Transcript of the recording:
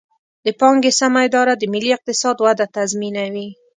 د پانګې سمه اداره د ملي اقتصاد وده تضمینوي.